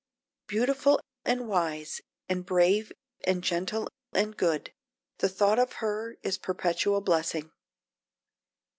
Beautiful and wise and brave and gentle and good, the thought of her is perpetual blessing.